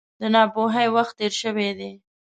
د ناپوهۍ وخت تېر شوی دی.